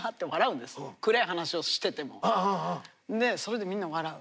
暗い話をしててもそれでみんな笑う。